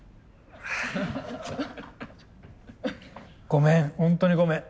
ごめんホントにごめん。